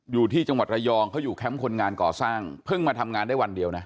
อยู่ที่จังหวัดระยองเขาอยู่แคมป์คนงานก่อสร้างเพิ่งมาทำงานได้วันเดียวนะ